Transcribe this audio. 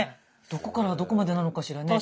どこからどこまでなのかしらね。